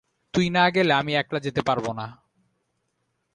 তুই না গেলে আমি একলা যেতে পারব না।